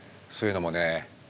そういうのもね。